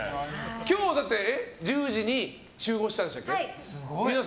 今日は１０時に集合したんでしたっけ。